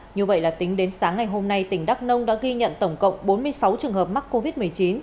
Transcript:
như vậy là tính đến sáng ngày hôm nay tỉnh đắk nông đã ghi nhận tổng cộng bốn mươi sáu trường hợp mắc covid một mươi chín